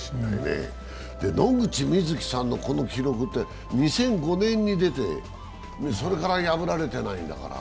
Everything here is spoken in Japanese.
野口みずきさんのこの記録は２００５年に出て、それから破られてないんだから。